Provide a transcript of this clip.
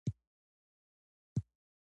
ما ورته وویل: دا تورن څوک و؟ نه مې خوښ شو.